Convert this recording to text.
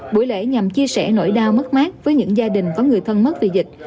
buổi lễ nhằm chia sẻ nỗi đau mất mát với những gia đình có người thân mất vì dịch